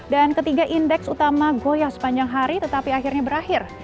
dan ketiga indeks utama goyah sepanjang hari tetapi akhirnya berakhir